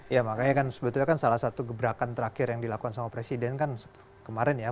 ya makanya kan sebetulnya kan salah satu gebrakan terakhir yang dilakukan sama presiden kan kemarin ya